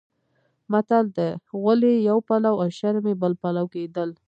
متل دی: غول یې یو پلو او شرم یې بل پلو کېدل.